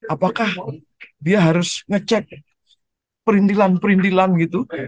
apakah dia harus ngecek perintilan perintilan gitu